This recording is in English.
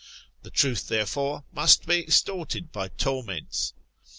The truth, therefore, must be extorted by tor ments.